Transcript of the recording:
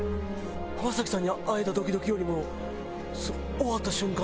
浜崎さんに会えたドキドキよりも終わった瞬間